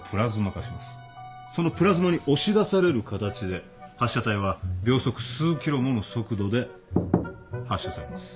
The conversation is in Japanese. そのプラズマに押し出される形で発射体は秒速数キロもの速度で発射されます